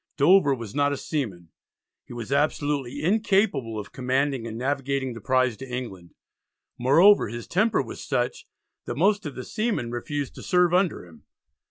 Dover was not a seaman; he was absolutely incapable of commanding and navigating the prize to England. Moreover his temper was such that most of the seamen refused to serve under him.